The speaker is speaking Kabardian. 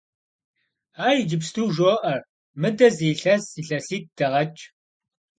Ар иджыпсту жоӀэр, мыдэ зы илъэс-илъэситӀ дэгъэкӀ.